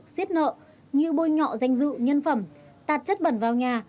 xiết nợ như bôi nhọ danh dự nhân phẩm tạt chất bẩn vào nhà